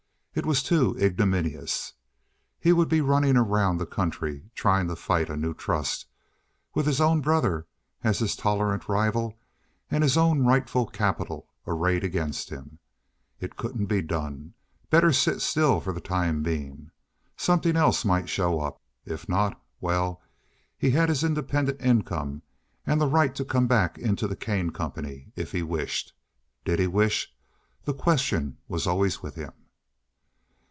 It was too ignominious. He would be running around the country trying to fight a new trust, with his own brother as his tolerant rival and his own rightful capital arrayed against him. It couldn't be done. Better sit still for the time being. Something else might show up. If not—well, he had his independent income and the right to come back into the Kane Company if he wished. Did he wish? The question was always with him.